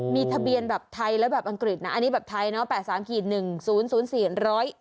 มีทะเบียนแบบไทยแล้วแบบอังกฤษนะอันนี้แบบไทยเนาะ๘๓๑๐๐๔